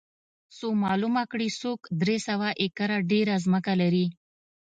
څو معلومه کړي څوک درې سوه ایکره ډېره ځمکه لري